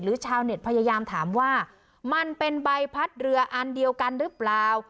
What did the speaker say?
ชาวเน็ตพยายามถามว่ามันเป็นใบพัดเรืออันเดียวกันหรือเปล่า